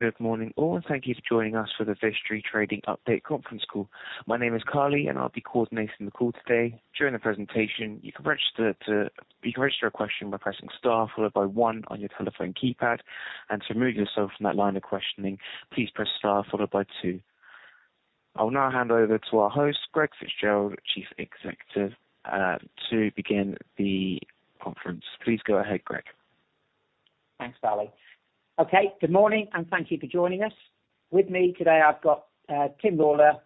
Good morning, all, and thank you for joining us for the Vistry Trading update conference call. My name is Carly, and I'll be coordinating the call today. During the presentation, you can register a question by pressing Star, followed by 1, on your telephone keypad. And to remove yourself from that line of questioning, please press Star, followed by 2. I will now hand over to our host, Greg Fitzgerald, Chief Executive, to begin the conference. Please go ahead, Greg. Thanks, Carly. Okay, good morning, and thank you for joining us. With me today, I've got Tim Lawlor,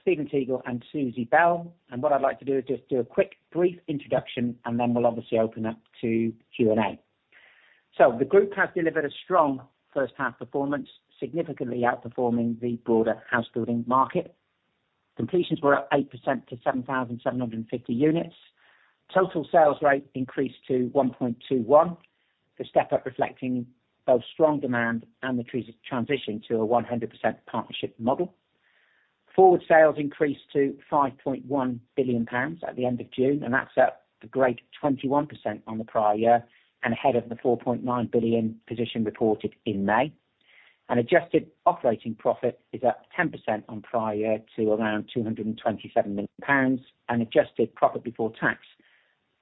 Stephen Teagle, and Susie Bell. What I'd like to do is just do a quick, brief introduction, and then we'll obviously open up to Q&A. The group has delivered a strong first-half performance, significantly outperforming the broader house-building market. Completions were up 8% to 7,750 units. Total sales rate increased to 1.21, the step-up reflecting both strong demand and the transition to a 100% partnership model. Forward sales increased to 5.1 billion pounds at the end of June, and that's up a great 21% on the prior year and ahead of the 4.9 billion position reported in May. An Adjusted operating profit is up 10% on prior year to around 227 million pounds, and Adjusted profit before tax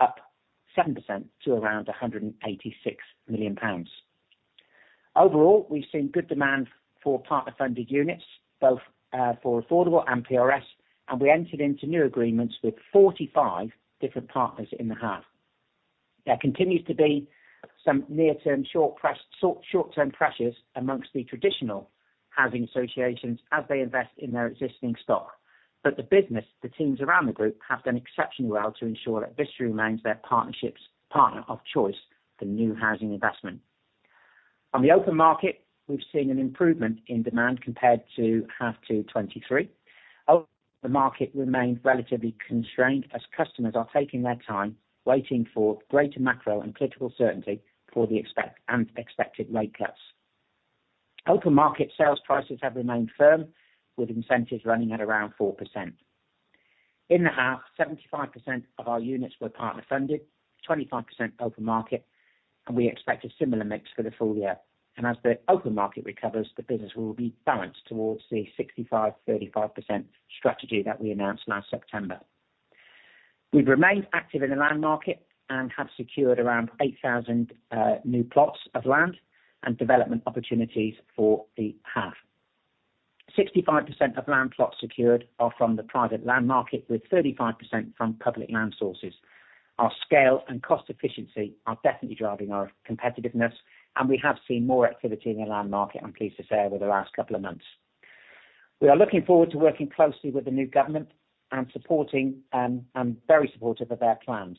up 7% to around 186 million pounds. Overall, we've seen good demand for partner-funded units, both for affordable and PRS, and we entered into new agreements with 45 different partners in the half. There continues to be some near-term short-term pressures amongst the traditional housing associations as they invest in their existing stock, but the business, the teams around the group, have done exceptionally well to ensure that Vistry remains their partnership's partner of choice for new housing investment. On the open market, we've seen an improvement in demand compared to half 2023. The market remains relatively constrained as customers are taking their time, waiting for greater macro and political certainty for the expected rate cuts. Open market sales prices have remained firm, with incentives running at around 4%. In the half, 75% of our units were partner-funded, 25% open market, and we expect a similar mix for the full year. As the open market recovers, the business will be balanced towards the 65%-35% strategy that we announced last September. We've remained active in the land market and have secured around 8,000 new plots of land and development opportunities for the house. 65% of land plots secured are from the private land market, with 35% from public land sources. Our scale and cost efficiency are definitely driving our competitiveness, and we have seen more activity in the land market, I'm pleased to say, over the last couple of months. We are looking forward to working closely with the new government and supporting, and very supportive of their plans.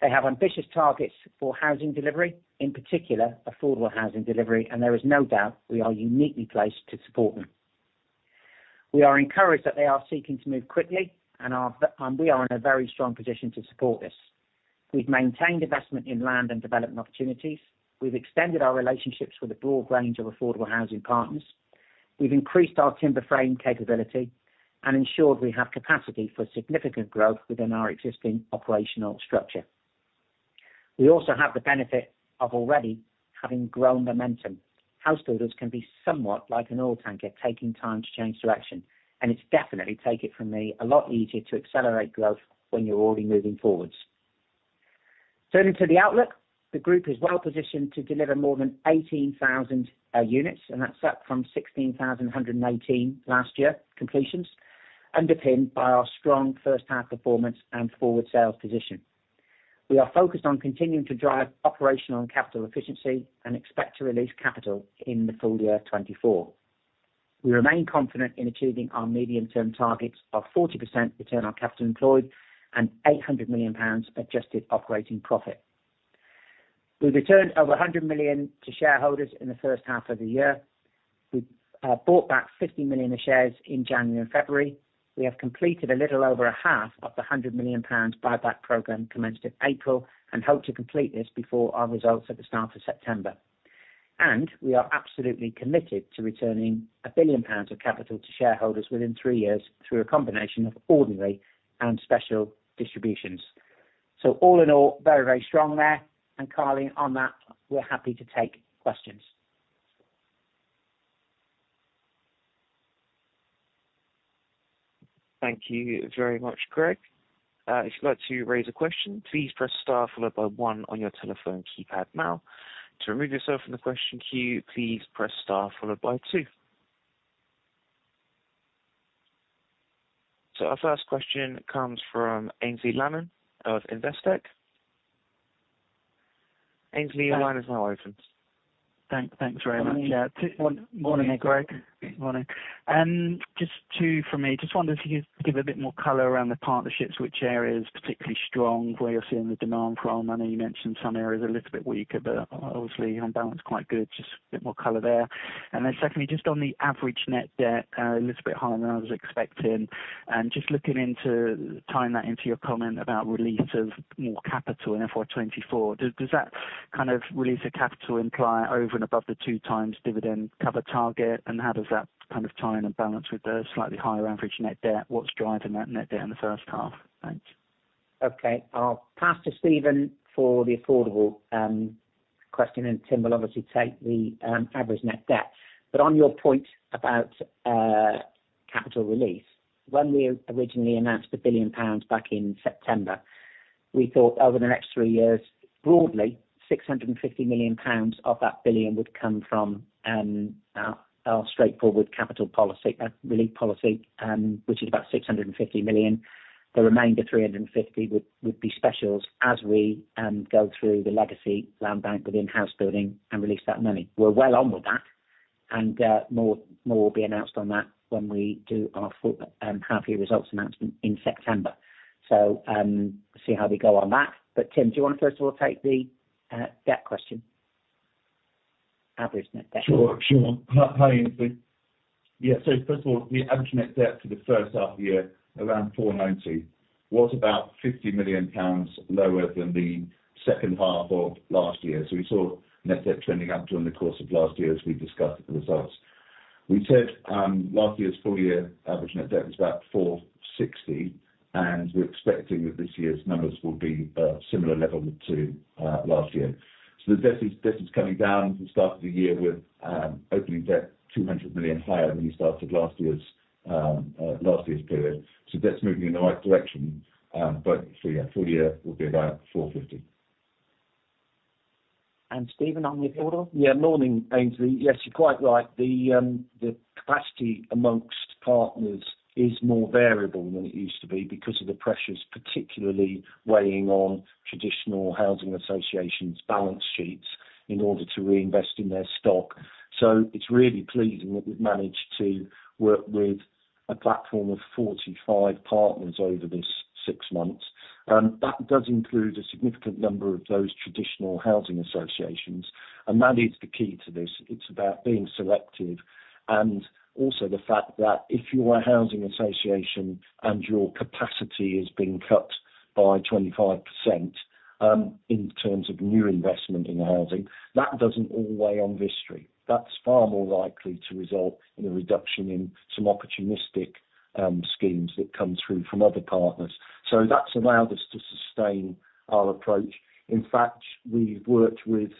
They have ambitious targets for housing delivery, in particular affordable housing delivery, and there is no doubt we are uniquely placed to support them. We are encouraged that they are seeking to move quickly, and we are in a very strong position to support this. We've maintained investment in land and development opportunities. We've extended our relationships with a broad range of affordable housing partners. We've increased our timber frame capability and ensured we have capacity for significant growth within our existing operational structure. We also have the benefit of already having grown momentum. House builders can be somewhat like an oil tanker taking time to change direction, and it's definitely, take it from me, a lot easier to accelerate growth when you're already moving forwards. Turning to the outlook, the group is well positioned to deliver more than 18,000 units, and that's up from 16,118 last year completions, underpinned by our strong first-half performance and forward sales position. We are focused on continuing to drive operational and capital efficiency and expect to release capital in the full year 2024. We remain confident in achieving our medium-term targets of 40% return on capital employed and 800 million pounds adjusted operating profit. We've returned over 100 million to shareholders in the first half of the year. We've bought back 50 million of shares in January and February. We have completed a little over a half of the 100 million pounds buyback program commenced in April and hope to complete this before our results at the start of September. And we are absolutely committed to returning 1 billion pounds of capital to shareholders within three years through a combination of ordinary and special distributions. So all in all, very, very strong there. And Carly, on that, we're happy to take questions. Thank you very much, Greg. If you'd like to raise a question, please press Star, followed by 1, on your telephone keypad now. To remove yourself from the question queue, please press Star, followed by 2. So our first question comes from Aynsley Lammin of Investec. Ainsley, your line is now open. Thanks very much. Yeah, good morning, Greg. Good morning. Good morning. Just two from me. Just wonder if you could give a bit more color around the partnerships, which areas particularly strong, where you're seeing the demand from? I know you mentioned some areas a little bit weaker, but obviously, on balance, quite good. Just a bit more color there. And then secondly, just on the average net debt, a little bit higher than I was expecting. And just looking into tying that into your comment about release of more capital in FY 2024, do-does that kind of release of capital imply over and above the two-times dividend cover target? And how does that kind of tie in and balance with the slightly higher average net debt? What's driving that net debt in the first half? Thanks. Okay. I'll pass to Stephen for the affordable question, and Tim will obviously take the average net debt. But on your point about capital release, when we originally announced the 1 billion pounds back in September, we thought over the next three years, broadly, 650 million pounds of that billion would come from our straightforward capital policy, relief policy, which is about 650 million. The remainder 350 million would be specials as we go through the legacy land bank within house building and release that money. We're well on with that, and more will be announced on that when we do our full half-year results announcement in September. So, see how we go on that. But Tim, do you want to first of all take the debt question? Average net debt. Sure, sure. Hi, Aynsley. Yeah, so first of all, the average net debt for the first half of the year, around 490 million, was about 50 million pounds lower than the second half of last year. So we saw net debt trending up during the course of last year, as we discussed at the results. We said, last year's full-year average net debt was about 460 million, and we're expecting that this year's numbers will be a similar level to, last year. So the debt is, debt is coming down from the start of the year with, opening debt 200 million higher than we started last year's, last year's period. So that's moving in the right direction, but for, yeah, full year will be about 450 million. And Stephen on the affordable? Yeah, morning, Aynsley. Yes, you're quite right. The capacity among partners is more variable than it used to be because of the pressures particularly weighing on traditional housing associations' balance sheets in order to reinvest in their stock. So it's really pleasing that we've managed to work with a platform of 45 partners over this six months that does include a significant number of those traditional housing associations, and that is the key to this. It's about being selective. And also the fact that if you're a housing association and your capacity has been cut by 25%, in terms of new investment in the housing, that doesn't all weigh on Vistry. That's far more likely to result in a reduction in some opportunistic schemes that come through from other partners. So that's allowed us to sustain our approach. In fact, we've worked with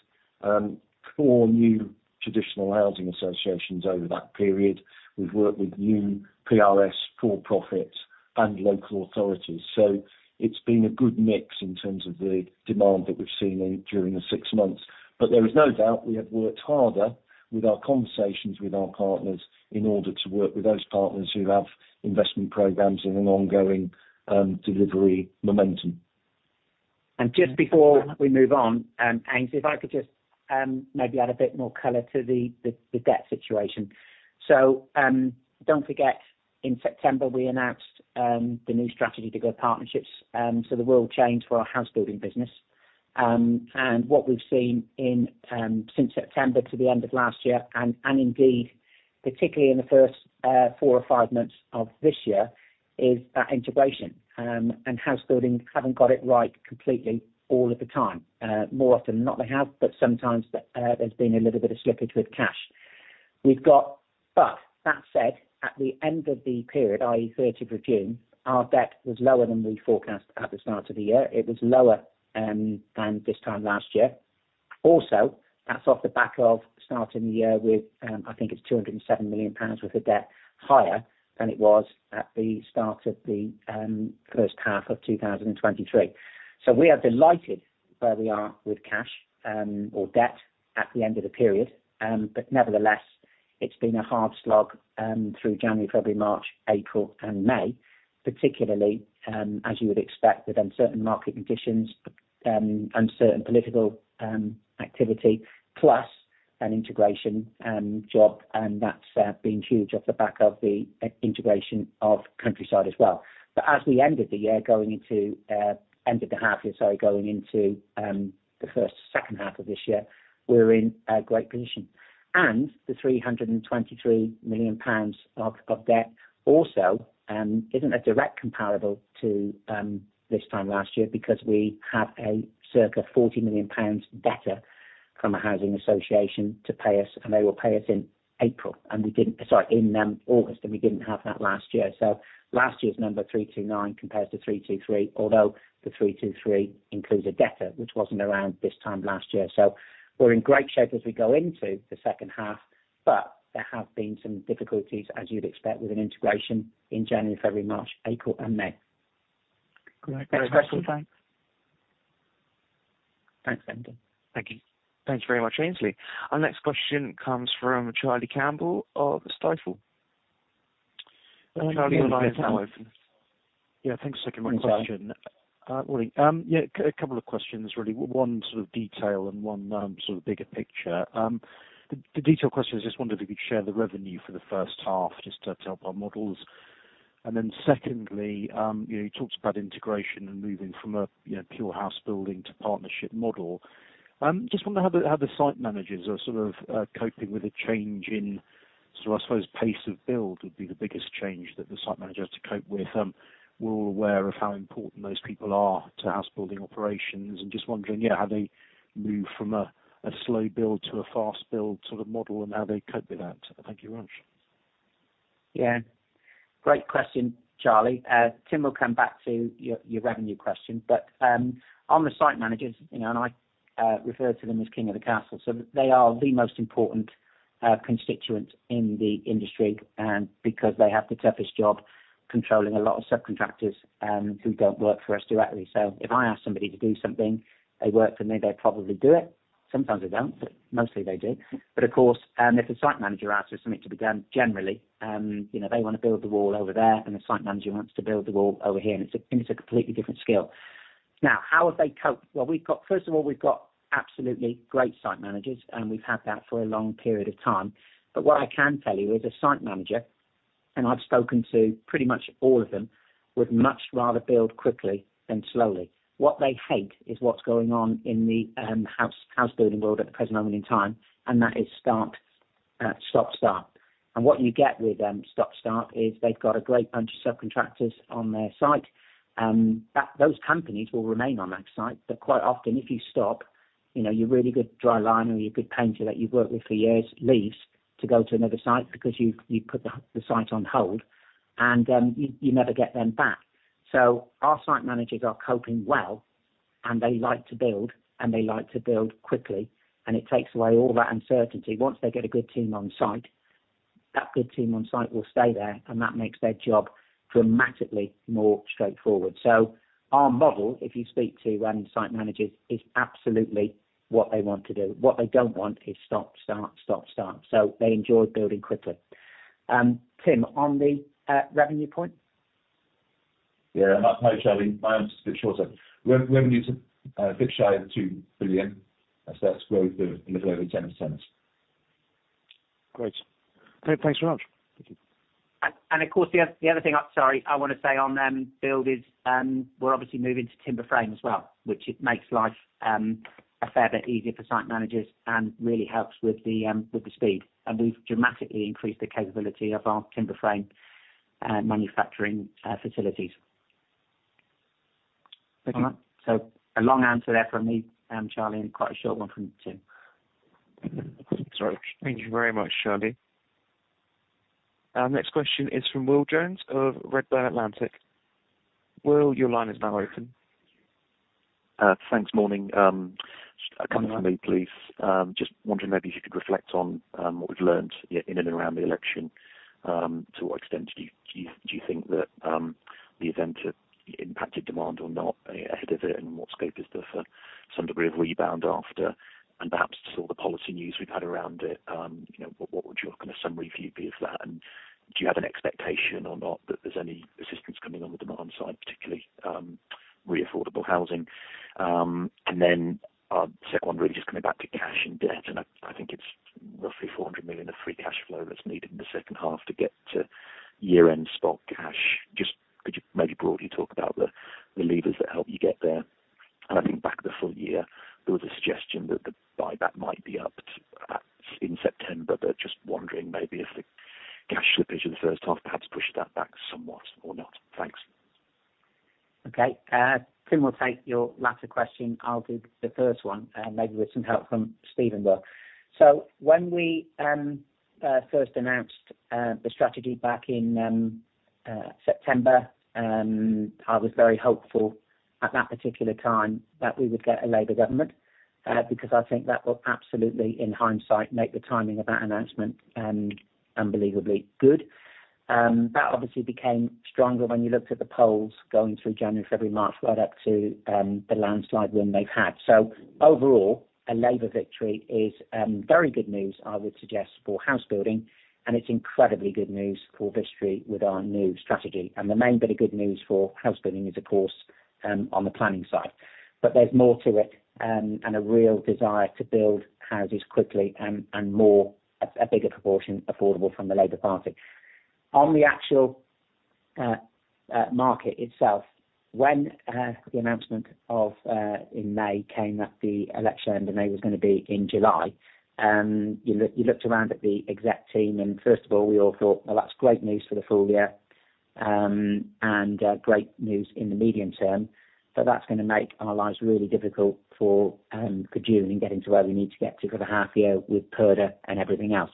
four new traditional housing associations over that period. We've worked with new PRS, for-profits, and local authorities. So it's been a good mix in terms of the demand that we've seen in during the six months. But there is no doubt we have worked harder with our conversations with our partners in order to work with those partners who have investment programs and an ongoing delivery momentum. And just before we move on, Aynsley, if I could just maybe add a bit more color to the debt situation. So, don't forget, in September, we announced the new strategy to grow partnerships, so the world changed for our house-building business. And what we've seen since September to the end of last year, and indeed, particularly in the first four or five months of this year, is that integration and house-building haven't got it right completely all of the time. More often than not, they have, but sometimes there's been a little bit of slippage with cash. We've got, but that said, at the end of the period, i.e., June 30, our debt was lower than we forecast at the start of the year. It was lower than this time last year. Also, that's off the back of starting the year with, I think it's 207 million pounds worth of debt higher than it was at the start of the first half of 2023. So we are delighted where we are with cash, or debt at the end of the period. But nevertheless, it's been a hard slog through January, February, March, April, and May, particularly, as you would expect, with uncertain market conditions, uncertain political activity, plus an integration job, and that's been huge off the back of the integration of Countryside as well. But as we ended the year going into end of the half year, sorry, going into the first second half of this year, we're in a great position. The 323 million pounds of debt also isn't a direct comparable to this time last year because we have a circa 40 million pounds debtor from a housing association to pay us, and they will pay us in August, and we didn't have that last year. So last year's number 329 compares to 323, although the 323 includes a debtor, which wasn't around this time last year. So we're in great shape as we go into the second half, but there have been some difficulties, as you'd expect, with an integration in January, February, March, April, and May. Great. Next question. Thanks. Thanks, Aynsley. Thank you. Thanks very much, Aynsley. Our next question comes from Charlie Campbell of Stifel. Charlie, your line is now open. Yeah, thanks for taking my question. Stifel. Morning. Yeah, a couple of questions, really. One, sort of, detail and one, sort of, bigger picture. The, the detail question is just wondering if you could share the revenue for the first half just to help our models? And then secondly, you know, you talked about integration and moving from a, you know, pure house building to partnership model. Just wonder how the, how the site managers are sort of, coping with a change in, sort of, I suppose, pace of build would be the biggest change that the site managers have to cope with? We're all aware of how important those people are to house-building operations, and just wondering, yeah, how they move from a, a slow build to a fast build sort of model and how they cope with that? Thank you very much. Yeah. Great question, Charlie. Tim will come back to your, your revenue question, but on the site managers, you know, and I refer to them as king of the castle. So they are the most important constituent in the industry, because they have the toughest job controlling a lot of subcontractors, who don't work for us directly. So if I ask somebody to do something, they work for me, they probably do it. Sometimes they don't, but mostly they do. But of course, if a site manager asks for something to be done, generally, you know, they want to build the wall over there, and the site manager wants to build the wall over here, and it's a, it's a completely different skill. Now, how have they coped? Well, we've got, first of all, we've got absolutely great site managers, and we've had that for a long period of time. But what I can tell you is a site manager, and I've spoken to pretty much all of them, would much rather build quickly than slowly. What they hate is what's going on in the house-building world at the present moment in time, and that is start, stop, start. And what you get with stop, start is they've got a great bunch of subcontractors on their site that those companies will remain on that site, but quite often, if you stop, you know, your really good dry liner or your good painter that you've worked with for years leaves to go to another site because you've put the site on hold, and you never get them back. So our site managers are coping well, and they like to build, and they like to build quickly, and it takes away all that uncertainty. Once they get a good team on site, that good team on site will stay there, and that makes their job dramatically more straightforward. So our model, if you speak to site managers, is absolutely what they want to do. What they don't want is stop, start, stop, start. So they enjoy building quickly. Tim, on the revenue point? Yeah, hi, Charlie. My answer's a bit shorter. Revenue's a bit shy of 2 billion, so that's growth of a little over 10%. Great. Thanks very much. Of course, the other thing I want to say on build is, we're obviously moving to timber frame as well, which makes life a fair bit easier for site managers and really helps with the speed. And we've dramatically increased the capability of our timber frame manufacturing facilities. Thank you. All right. A long answer there from me, Charlie, and quite a short one from Tim. Sorry. Thank you very much, Charlie. Our next question is from Will Jones of Redburn Atlantic. Will, your line is now open. Thanks. Morning. Just a couple for me, please. Just wondering maybe if you could reflect on what we've learned, you know, in and around the election? To what extent do you think that the event impacted demand or not ahead of it, and what scope is there for some degree of rebound after? And perhaps to sort of the policy news we've had around it, you know, what would your kind of summary view be of that? And do you have an expectation or not that there's any assistance coming on the demand side, particularly re affordable housing? And then our second one, really just coming back to cash and debt, and I think it's roughly 400 million of free cash flow that's needed in the second half to get to year-end spot cash. Just could you maybe broadly talk about the levers that help you get there? And I think back to the full year, there was a suggestion that the buyback might be up to GBP 1 billion in September, but just wondering maybe if the cash slippage of the first half perhaps pushed that back somewhat or not. Thanks. Okay. Tim will take your latter question. I'll do the first one, maybe with some help from Stephen though. So when we first announced the strategy back in September, I was very hopeful at that particular time that we would get a Labour government, because I think that will absolutely, in hindsight, make the timing of that announcement unbelievably good. That obviously became stronger when you looked at the polls going through January, February, March, right up to the landslide win they've had. So overall, a Labour victory is very good news, I would suggest, for house building, and it's incredibly good news for Vistry with our new strategy. And the main bit of good news for house building is, of course, on the planning side. But there's more to it, and a real desire to build houses quickly and more, a bigger proportion affordable from the Labour Party. On the actual market itself, when the announcement in May came that the election end and May was going to be in July, you looked around at the exec team, and first of all, we all thought, well, that's great news for the full year, and great news in the medium term, but that's going to make our lives really difficult for June and getting to where we need to get to for the half year with PERDA and everything else.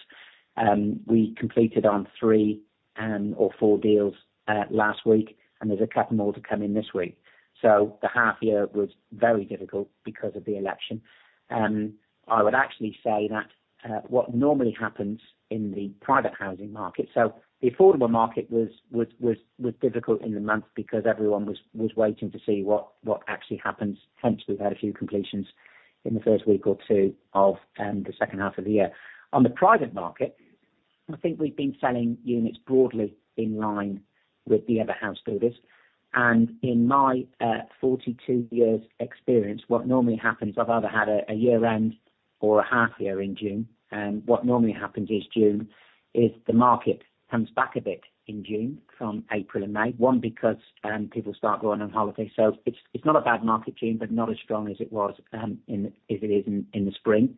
We completed on three or four deals last week, and there's a couple more to come in this week. So the half year was very difficult because of the election. I would actually say that, what normally happens in the private housing market, so the affordable market was difficult in the month because everyone was waiting to see what actually happens. Hence, we've had a few completions in the first week or two of the second half of the year. On the private market, I think we've been selling units broadly in line with the other house builders. And in my 42 years' experience, what normally happens, I've either had a year-end or a half year in June, and what normally happens is June is the market comes back a bit in June from April and May, one because people start going on holiday. So it's not a bad market June, but not as strong as it was in as it is in the spring.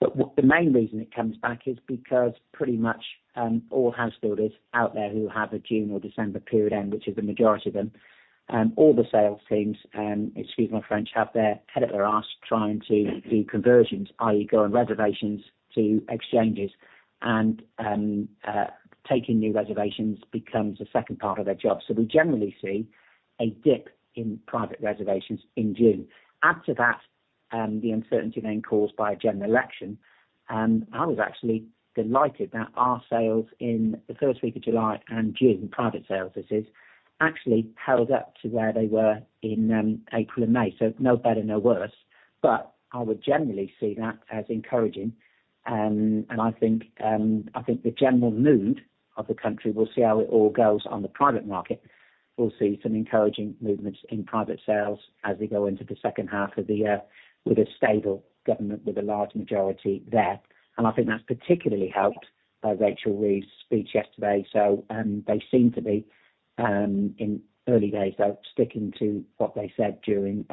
But what the main reason it comes back is because pretty much, all house builders out there who have a June or December period end, which is the majority of them, all the sales teams, excuse my French, have their head at their ass trying to do conversions, i.e., going reservations to exchanges, and taking new reservations becomes a second part of their job. So we generally see a dip in private reservations in June. Add to that, the uncertainty then caused by a general election. I was actually delighted that our sales in the first week of July and June, private sales this is, actually held up to where they were in April and May. So no better, no worse, but I would generally see that as encouraging. I think, I think the general mood of the country. We'll see how it all goes on the private market. We'll see some encouraging movements in private sales as we go into the second half of the year, with a stable government, with a large majority there. I think that's particularly helped by Rachel Reeves's speech yesterday. So, they seem to be, in early days, though, sticking to what they said during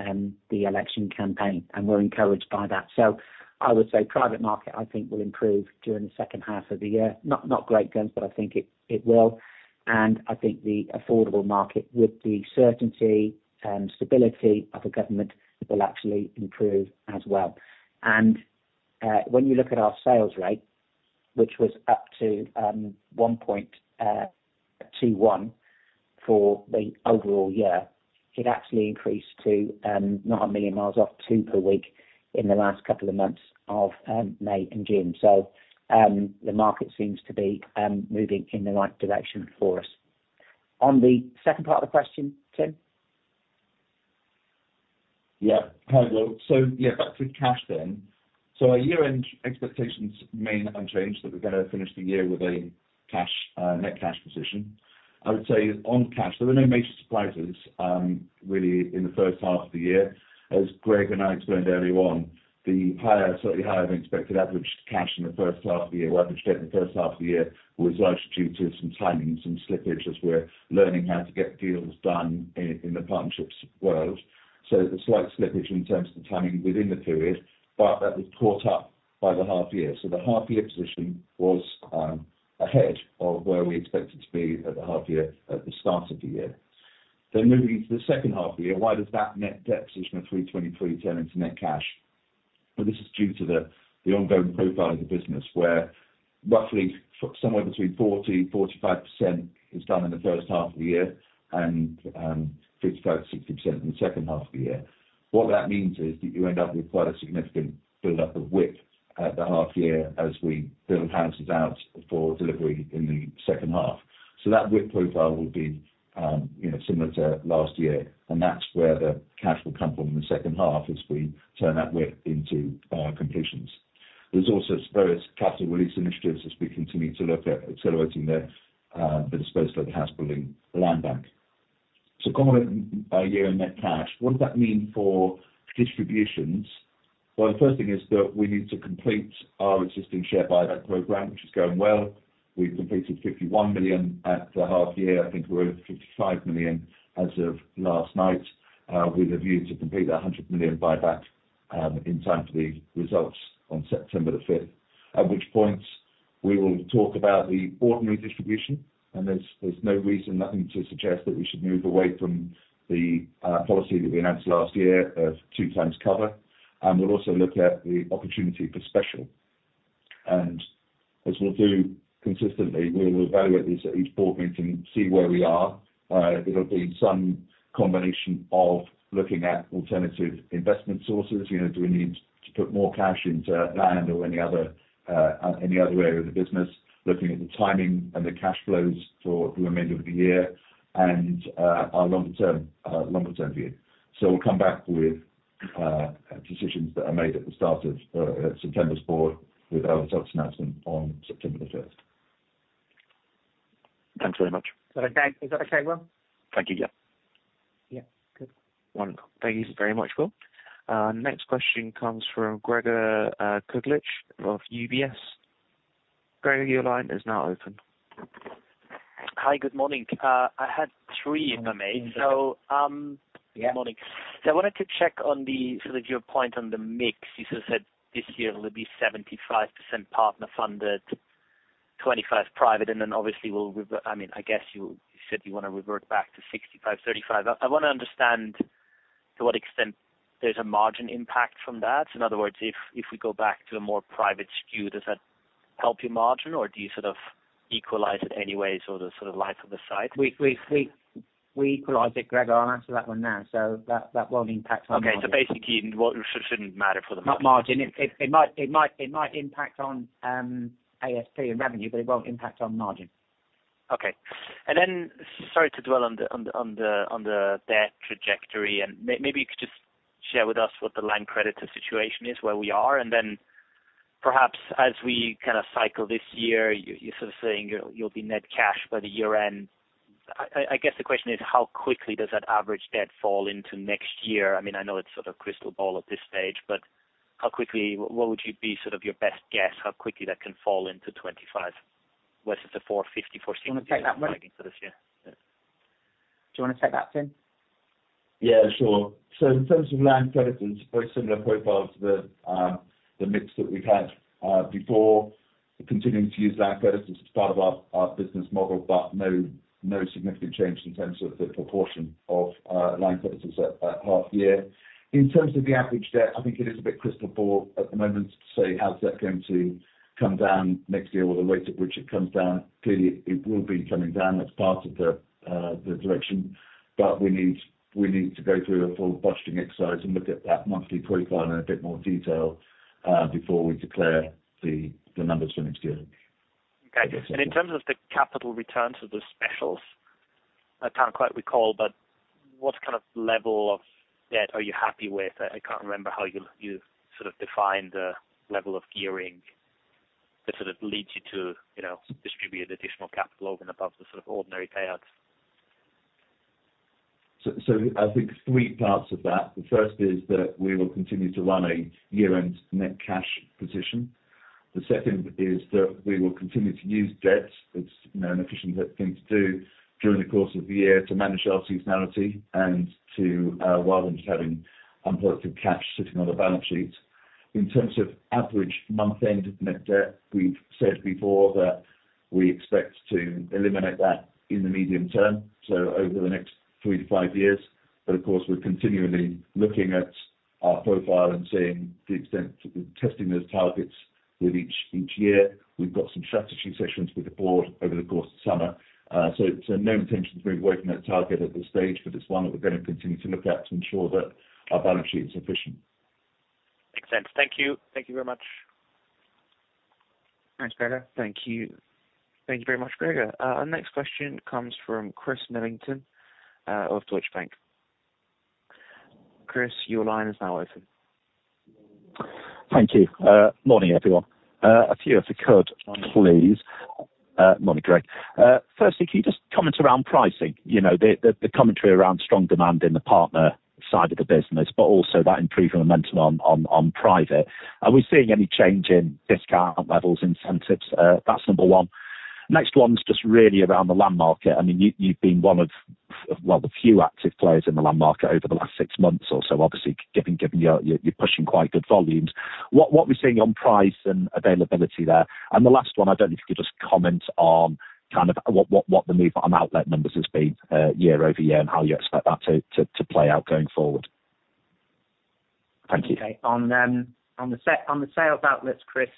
the election campaign, and we're encouraged by that. So I would say private market, I think, will improve during the second half of the year. Not, not great guns, but I think it, it will. I think the affordable market with the certainty and stability of a government will actually improve as well. When you look at our sales rate, which was up to 1.21 for the overall year, it actually increased to not a million miles off two per week in the last couple of months of May and June. So, the market seems to be moving in the right direction for us. On the second part of the question, Tim? Yeah. Hi, Will. So, yeah, back to cash then. So our year-end expectations remain unchanged, that we're going to finish the year with a cash, net cash position. I would say on cash, there were no major surprises, really in the first half of the year. As Greg and I explained earlier on, the higher, slightly higher than expected average cash in the first half of the year, or average debt in the first half of the year, was largely due to some timing, some slippage as we're learning how to get deals done in, in the partnerships world. So there's a slight slippage in terms of the timing within the period, but that was caught up by the half year. So the half-year position was, ahead of where we expected to be at the half year, at the start of the year. Then moving into the second half of the year, why does that net debt position of 323 turn into net cash? Well, this is due to the ongoing profile of the business, where roughly somewhere between 40%-45% is done in the first half of the year and 55%-60% in the second half of the year. What that means is that you end up with quite a significant buildup of WIP at the half year as we build houses out for delivery in the second half. So that WIP profile will be, you know, similar to last year, and that's where the cash will come from in the second half as we turn that WIP into completions. There's also various capital release initiatives as we continue to look at accelerating the disbursement of the house building land bank. So comment on our year-end net cash, what does that mean for distributions? Well, the first thing is that we need to complete our existing share buyback program, which is going well. We've completed 51 million at the half year. I think we're over 55 million as of last night, with a view to complete that 100 million buyback, in time for the results on September 5th, at which point we will talk about the ordinary distribution, and there's, there's no reason, nothing to suggest that we should move away from the policy that we announced last year of two times cover. And we'll also look at the opportunity for special. And as we'll do consistently, we'll evaluate these at each board meeting, see where we are. It'll be some combination of looking at alternative investment sources, you know, do we need to put more cash into land or any other, any other area of the business, looking at the timing and the cash flows for the remainder of the year, and our longer term, longer term view. So we'll come back with decisions that are made at the start of September's board with our results announcement on September the 5th. Thanks very much. Is that okay? Is that okay, Will? Thank you. Yeah. Yeah. Good. Wonderful. Thank you very much, Will. Next question comes from Gregor Kuglitsch of UBS. Gregor, your line is now open. Hi, good morning. I had three in my mail, so, Yeah. Good morning. So I wanted to check on the sort of your point on the mix. You sort of said this year will be 75% partner funded, 25% private, and then obviously we'll revert. I mean, I guess you said you want to revert back to 65%, 35%. I want to understand to what extent there's a margin impact from that? In other words, if we go back to a more private skew, does that help your margin, or do you sort of equalize it anyways or the sort of life of the site? We equalize it, Greg. I'll answer that one now. So that won't impact on margin. Okay. So basically, what shouldn't matter for the margin? Not margin. It might impact on ASP and revenue, but it won't impact on margin. Okay. And then, sorry to dwell on the debt trajectory, and maybe you could just share with us what the land creditor situation is, where we are, and then perhaps as we kind of cycle this year, you're sort of saying you'll be net cash by the year-end. I guess the question is, how quickly does that average debt fall into next year? I mean, I know it's sort of crystal ball at this stage, but how quickly, what would you be sort of your best guess how quickly that can fall into 25% versus the 450, GBP 460? Do you want to take that one? For this year? Do you want to take that, Tim? Yeah, sure. So in terms of land creditors, very similar profile to the mix that we've had before. We're continuing to use land creditors as part of our business model, but no significant change in terms of the proportion of land creditors at half year. In terms of the average debt, I think it is a bit crystal ball at the moment to say how's that going to come down next year or the rate at which it comes down. Clearly, it will be coming down. That's part of the direction, but we need to go through a full budgeting exercise and look at that monthly profile in a bit more detail before we declare the numbers for next year. Okay. In terms of the capital returns of the specials, I can't quite recall, but what kind of level of debt are you happy with? I can't remember how you sort of define the level of gearing that sort of leads you to, you know, distribute additional capital over and above the sort of ordinary payouts. So, I think three parts of that. The first is that we will continue to run a year-end net cash position. The second is that we will continue to use debt. It's, you know, an efficient thing to do during the course of the year to manage our seasonality and to, rather than just having unproductive cash sitting on a balance sheet. In terms of average month-end net debt, we've said before that we expect to eliminate that in the medium term, so over the next three to five years. But of course, we're continually looking at our profile and seeing the extent of testing those targets with each year. We've got some strategy sessions with the board over the course of the summer. So, no intention to move away from that target at this stage, but it's one that we're going to continue to look at to ensure that our balance sheet is efficient. Makes sense. Thank you. Thank you very much. Thanks, Gregor. Thank you. Thank you very much, Gregor. Our next question comes from Chris Nettleton, of Deutsche Bank. Chris, your line is now open. Thank you. Good morning, everyone. A few, if I could, please. Good morning, Greg. Firstly, can you just comment around pricing? You know, the commentary around strong demand in the partner side of the business, but also that improving momentum on private. Are we seeing any change in discount levels, incentives? That's number one. Next one's just really around the land market. I mean, you, you've been one of, well, the few active players in the land market over the last six months or so, obviously, given you're pushing quite good volumes. What are we seeing on price and availability there? And the last one, I don't know if you could just comment on kind of what the move on outlet numbers has been, year-over-year and how you expect that to play out going forward? Thank you. Okay. On the sales outlets, Chris,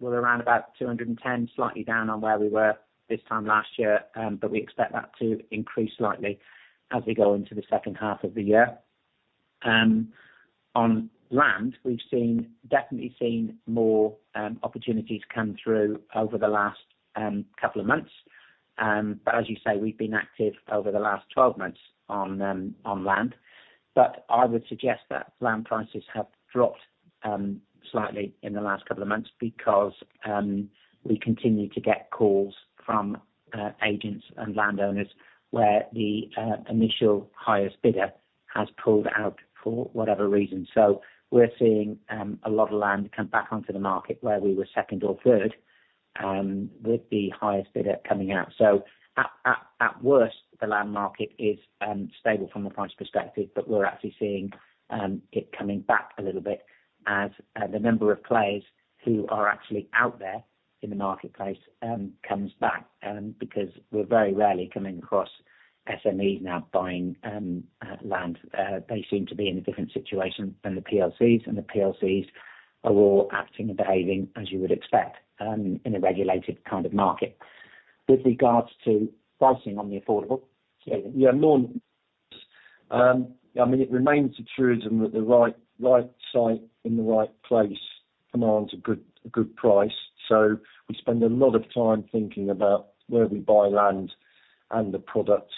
we're around about 210, slightly down on where we were this time last year, but we expect that to increase slightly as we go into the second half of the year. On land, we've seen definitely seen more opportunities come through over the last couple of months. But as you say, we've been active over the last 12 months on land. But I would suggest that land prices have dropped slightly in the last couple of months because we continue to get calls from agents and landowners where the initial highest bidder has pulled out for whatever reason. So we're seeing a lot of land come back onto the market where we were second or third, with the highest bidder coming out. So at worst, the land market is stable from a price perspective, but we're actually seeing it coming back a little bit as the number of players who are actually out there in the marketplace comes back, because we're very rarely coming across SMEs now buying land. They seem to be in a different situation than the PLCs, and the PLCs are all acting and behaving as you would expect in a regulated kind of market. With regards to pricing on the affordable, Stephen, you're more. I mean, it remains a truism that the right, right site in the right place commands a good, a good price. So we spend a lot of time thinking about where we buy land and the product,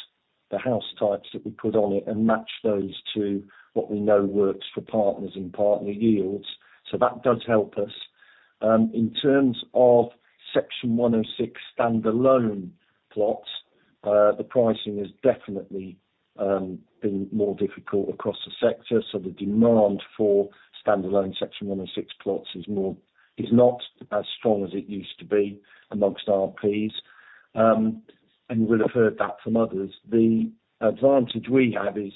the house types that we put on it, and match those to what we know works for partners and partner yields. So that does help us. In terms of Section 106 standalone plots, the pricing has definitely been more difficult across the sector. So the demand for standalone Section 106 plots is more, is not as strong as it used to be amongst RPs. And we'll have heard that from others. The advantage we have is,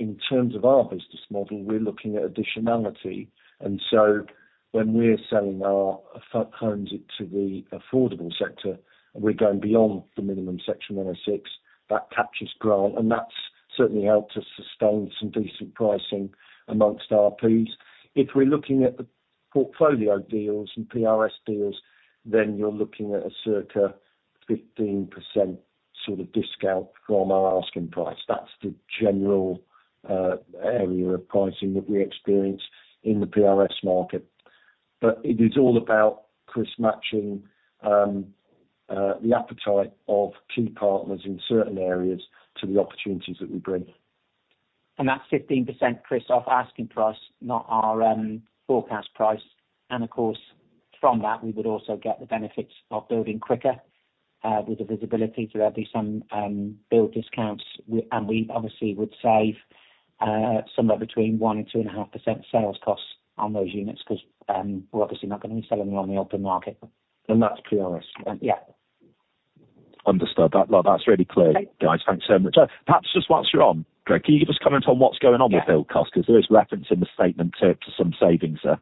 in terms of our business model, we're looking at additionality. And so when we're selling our homes into the affordable sector, we're going beyond the minimum Section 106. That captures grant, and that's certainly helped us sustain some decent pricing amongst RPs. If we're looking at the portfolio deals and PRS deals, then you're looking at a circa 15% sort of discount from our asking price. That's the general area of pricing that we experience in the PRS market. But it is all about, Chris, matching the appetite of key partners in certain areas to the opportunities that we bring. That's 15%, Chris, of asking price, not our forecast price. Of course, from that, we would also get the benefits of building quicker, with the visibility. There'll be some build discounts, and we obviously would save somewhere between 1%-2.5% sales costs on those units because we're obviously not going to be selling them on the open market. That's PRS. Yeah. Understood. That, that's really clear, guys. Thanks so much. Perhaps just whilst you're on, Greg, can you give us comment on what's going on with build costs? Because there is reference in the statement to, to some savings there.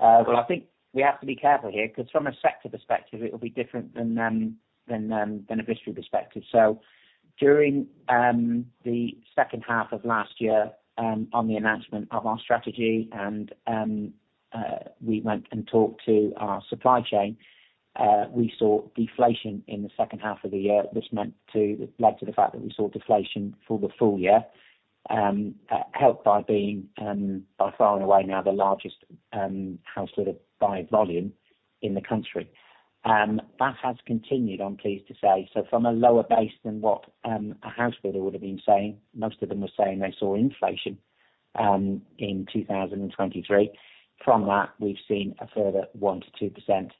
Well, I think we have to be careful here because from a sector perspective, it'll be different than from a builder perspective. So during the second half of last year, on the announcement of our strategy, we went and talked to our supply chain, we saw deflation in the second half of the year, which led to the fact that we saw deflation for the full year, helped by by far and away now the largest housebuilder by volume in the country. That has continued, I'm pleased to say. So from a lower base than what a housebuilder would have been saying, most of them were saying they saw inflation in 2023. From that, we've seen a further 1%-2%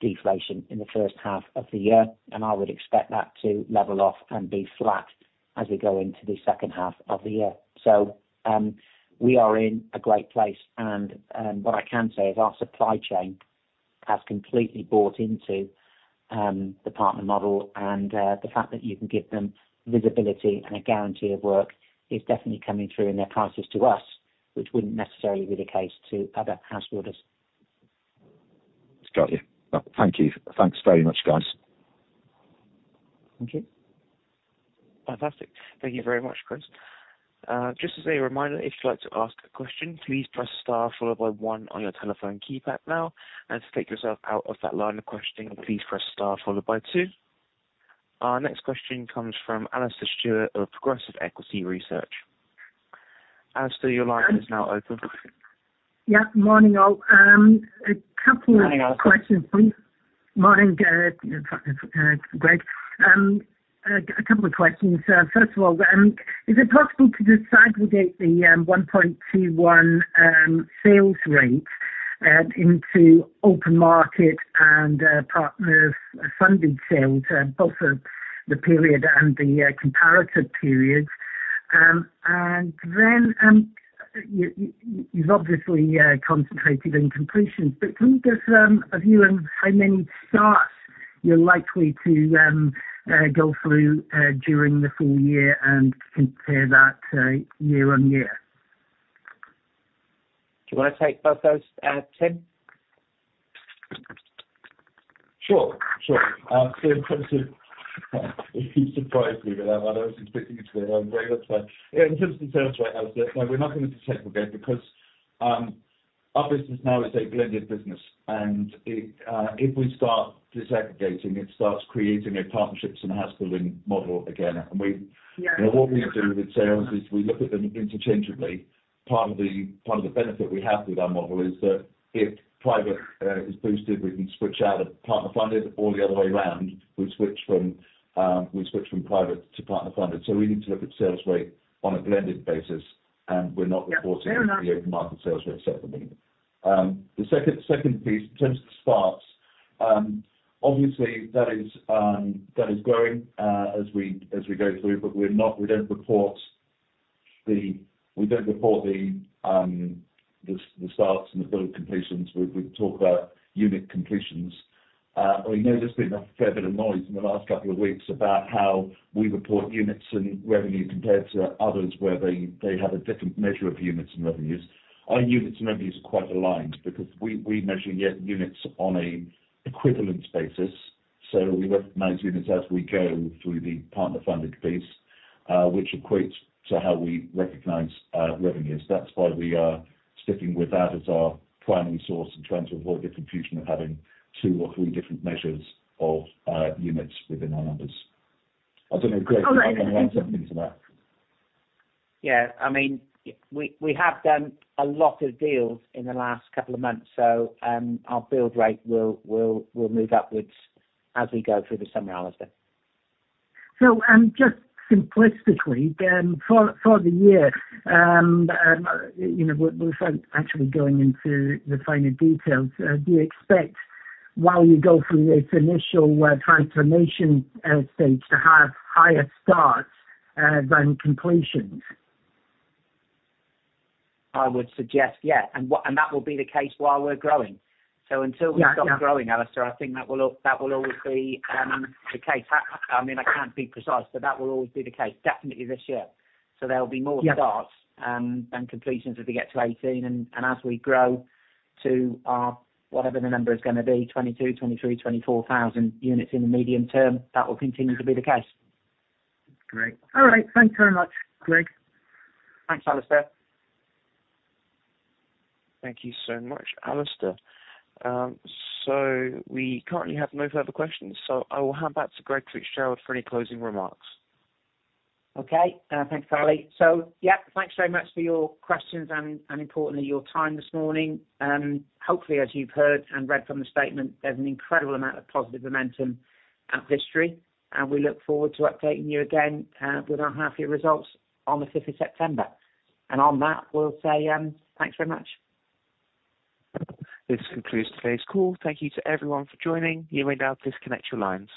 deflation in the first half of the year, and I would expect that to level off and be flat as we go into the second half of the year. So, we are in a great place, and, what I can say is our supply chain has completely bought into, the partner model, and, the fact that you can give them visibility and a guarantee of work is definitely coming through in their prices to us, which wouldn't necessarily be the case to other house builders. Got you. Thank you. Thanks very much, guys. Thank you. Fantastic. Thank you very much, Chris. Just as a reminder, if you'd like to ask a question, please press star followed by one on your telephone keypad now. And to take yourself out of that line of questioning, please press star followed by two. Our next question comes from Alastair Stewart of Progressive Equity Research. Alastair, your line is now open. Yeah. Morning, all. A couple of questions. Morning, Alastair. Good morning, in fact, Greg. A couple of questions. First of all, is it possible to disaggregate the 1.21 sales rate into open market and partner-funded sales, both for the period and the comparative periods? And then, you've obviously concentrated on completions, but can you give us a view on how many starts you're likely to go through during the full year and compare that year-on-year? Do you want to take both those, Tim? Sure. Sure. So in terms of, it surprised me, but I wasn't thinking into it. I'm very upset. Yeah, in terms of the sales rate, Alastair, no, we're not going to disaggregate because, our business now is a blended business, and it, if we start disaggregating, it starts creating a partnerships and house building model again. And we, you know, what we do with sales is we look at them interchangeably. Part of the, part of the benefit we have with our model is that if private, is boosted, we can switch out of partner-funded or the other way around. We switch from, we switch from private to partner-funded. So we need to look at sales rate on a blended basis, and we're not reporting on the open market sales rate separately. The second piece, in terms of the starts, obviously that is growing, as we go through, but we're not, we don't report the starts and the build completions. We talk about unit completions. We know there's been a fair bit of noise in the last couple of weeks about how we report units and revenue compared to others where they have a different measure of units and revenues. Our units and revenues are quite aligned because we measure units on an equivalence basis. So we recognize units as we go through the partner-funded piece, which equates to how we recognize revenues. That's why we are sticking with that as our primary source and trying to avoid the confusion of having two or three different measures of units within our numbers. I don't know, Greg, do you have anything to add to that? Yeah. I mean, we have done a lot of deals in the last couple of months, so, our build rate will move upwards as we go through the summer, Alastair. So, just simplistically, for the year, you know, we're actually going into the finer details. Do you expect while you go through this initial transformation stage to have higher starts than completions? I would suggest yeah. And that will be the case while we're growing. So until we stop growing, Alastair, I think that will always be the case. I mean, I can't be precise, but that will always be the case. Definitely this year. So there'll be more starts than completions as we get to 18. And as we grow to our, whatever the number is going to be, 22,000, 23,000, 24,000 units in the medium term, that will continue to be the case. Great. All right. Thanks very much, Greg. Thanks, Alastair. Thank you so much, Alastair. So we currently have no further questions, so I will hand back to Greg Fitzgerald for any closing remarks. Okay. Thanks, Carly. So yeah, thanks very much for your questions and, importantly, your time this morning. Hopefully, as you've heard and read from the statement, there's an incredible amount of positive momentum at Vistry. And we look forward to updating you again with our half-year results on the September 5th. And on that, we'll say, thanks very much. This concludes today's call. Thank you to everyone for joining. You may now disconnect your lines.